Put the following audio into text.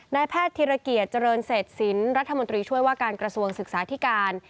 นายแพทย์ธิรเกียจเจริญเศษศิลป์รัฐมนตรีช่วยว่าการกระทรวงศึกษาธิการ